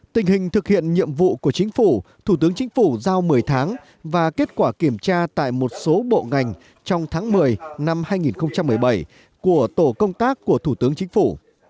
tình hình thực hiện nhiệm vụ của chính phủ thủ tướng chính phủ giao một mươi tháng và kết quả kiểm tra tại một số bộ ngành trong tháng một mươi năm hai nghìn một mươi bảy của tổ công tác của thủ tướng chính phủ